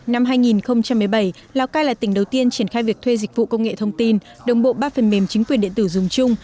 năm hai nghìn một mươi bảy lào cai là tỉnh đầu tiên triển khai việc thuê dịch vụ công nghệ thông tin đồng bộ ba phần mềm chính quyền điện tử dùng chung